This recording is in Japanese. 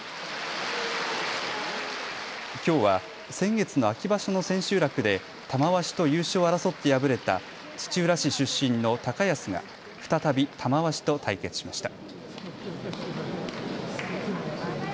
きょうは先月の秋場所の千秋楽で玉鷲と優勝を争って敗れた土浦市出身の高安が再び玉鷲と対決しました。